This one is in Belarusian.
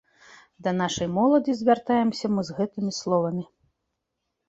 Да нашай моладзі звяртаемся мы з гэтымі словамі.